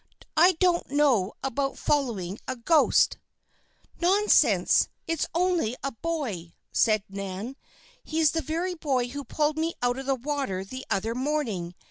"I don't know about following a ghost." "Nonsense! It's only a boy," said Nan. "He's the very boy who pulled me out of the water the other morning.